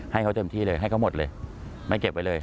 ให้เขาเต็มที่เลยให้เขาหมดเลยไม่เก็บไว้เลย